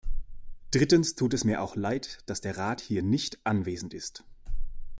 Drittens tut es mir auch leid, dass der Rat hier nicht anwesend ist.